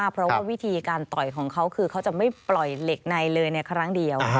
เพราะว่าวิธีการต่อยของเขาคือเขาจะไม่ปล่อยเหล็กในเลยในครั้งเดียว